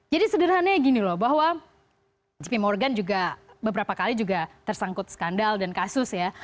jadi sederhananya gini loh bahwa jp morgan juga beberapa kali juga tersangkut skandal dan kasus ya